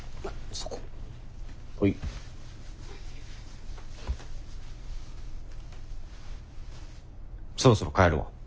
そろそろ帰るわ。